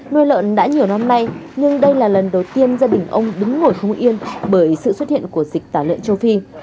nuôi lợn đã nhiều năm nay nhưng đây là lần đầu tiên gia đình ông đứng ngồi không yên bởi sự xuất hiện của dịch tả lợn châu phi